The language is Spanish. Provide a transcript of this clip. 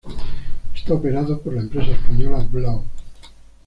Es operado por la empresa española Blau.